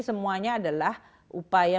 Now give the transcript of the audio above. semuanya adalah upaya